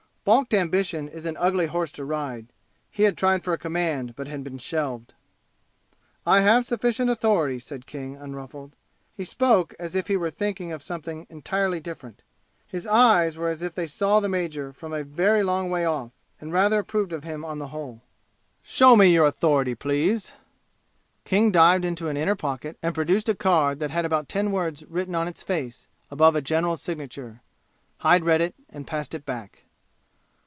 Balked ambition is an ugly horse to ride. He had tried for a command but had been shelved. "I have sufficient authority," said King, unruffled. He spoke as if he were thinking of something entirely different. His eyes were as if they saw the major from a very long way off and rather approved of him on the whole. "Show me your authority, please!" King dived into an inner pocket and produced a card that had about ten words written on its face, above a general's signature. Hyde read it and passed it back.